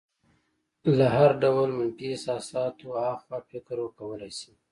له هر ډول منفي احساساتو اخوا فکر وکولی شي.